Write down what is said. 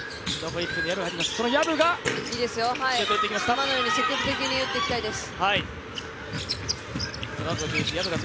今のように積極的に打っていきたいです。